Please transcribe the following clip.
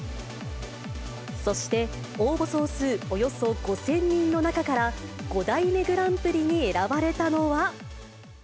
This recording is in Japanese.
そして、応募総数およそ５０００人の中から、５代目グランプリに選ばれたのは。